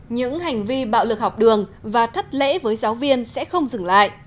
những hành vi bạo lực học đường và thắt lễ với giáo viên sẽ không dừng lại